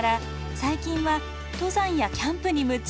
最近は登山やキャンプに夢中。